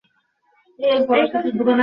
ভোজপুরীটা আশ্চর্য হয়ে হাঁ করে রইল।